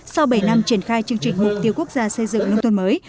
sau bảy năm triển khai chương trình mục tiêu quốc gia xây dựng nông thôn mới